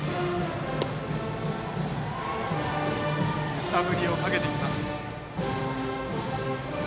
揺さぶりをかけてきます。